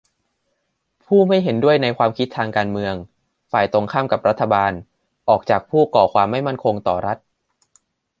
ผู้ไม่เห็นด้วยในความคิดทางการเมือง ฝ่ายตรงข้ามกับรัฐบาล ออกจาก ผู้ก่อความไม่มั่นคงต่อรัฐ